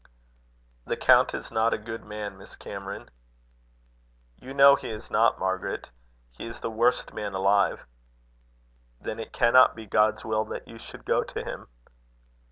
"The count is not a good man, Miss Cameron?" "You know he is not, Margaret. He is the worst man alive." "Then it cannot be God's will that you should go to him."